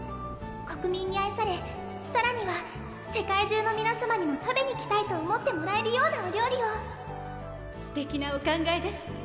国民にあいされさらには世界中の皆さまにも食べに来たいと思ってもらえるようなお料理をすてきなお考えです